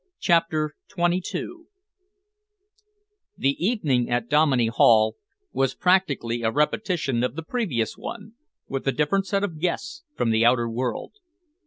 CHAPTER XXII The evening at Dominey hall was practically a repetition of the previous one, with a different set of guests from the outer world.